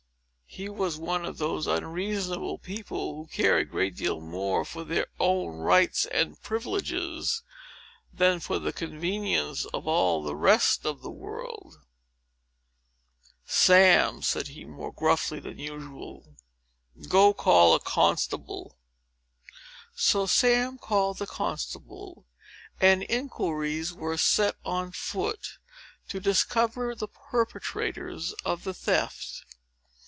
He was one of those unreasonable people, who care a great deal more for their own rights and privileges, than for the convenience of all the rest of the world. "Sam," said he, more gruffly than usual, "go call a constable." So Sam called a constable, and inquiries were set on foot to discover the perpetrators of the theft.